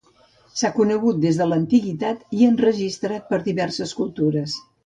S'ha conegut des de l'antiguitat i enregistrat per diverses cultures.